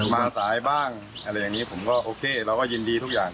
มาสายบ้างอะไรอย่างนี้ผมก็โอเคเราก็ยินดีทุกอย่าง